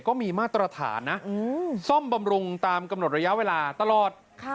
ก็มีมาตรฐานนะซ่อมบำรุงตามกำหนดระยะเวลาตลอด